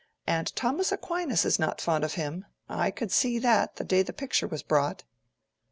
And Thomas Aquinas is not fond of him. I could see that, the day the picture was brought."